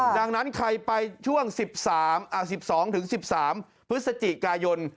ดังนั้นใครไปช่วง๑๒๑๓พฤศจิกายน